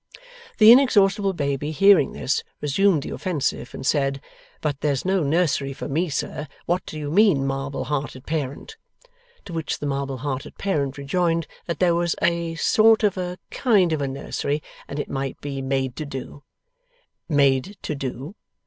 The inexhaustible baby, hearing this, resumed the offensive, and said: 'But there's no nursery for me, sir. What do you mean, marble hearted parent?' To which the marble hearted parent rejoined that there was a sort of a kind of a nursery, and it might be 'made to do'. 'Made to do?